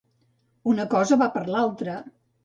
Una cosa va per l'altra.